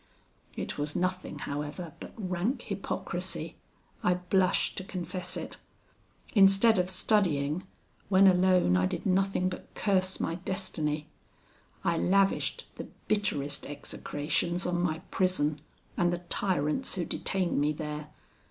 It was nothing, however, but rank hypocrisy I blush to confess it. Instead of studying, when alone I did nothing but curse my destiny. I lavished the bitterest execrations on my prison, and the tyrants who detained me there.